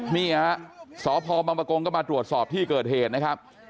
นี่ครับสพมก็มาตรวจสอบที่เกิดเหตุนะครับ